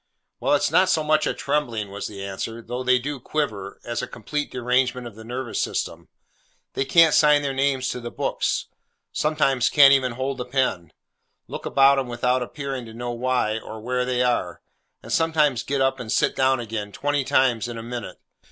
'Well, it's not so much a trembling,' was the answer—'though they do quiver—as a complete derangement of the nervous system. They can't sign their names to the book; sometimes can't even hold the pen; look about 'em without appearing to know why, or where they are; and sometimes get up and sit down again, twenty times in a minute.